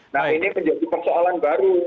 nah ini menjadi persoalan baru